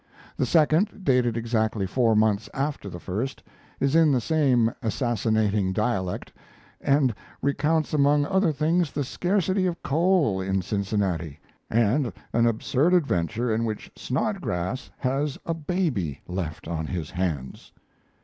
The second, dated exactly four months after the first, is in the same assassinating dialect, and recounts among other things the scarcity of coal in Cincinnati and an absurd adventure in which Snodgrass has a baby left on his hands.